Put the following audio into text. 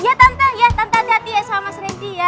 iya tante ya tante hati hati ya sama mas rendy ya